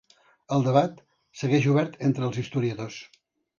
El debat segueix obert entre els historiadors.